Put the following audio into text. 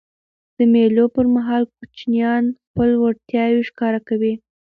د مېلو پر مهال کوچنيان خپلي وړتیاوي ښکاره کوي.